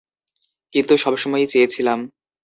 কিন্তু সবসময়ই চেয়েছিলাম।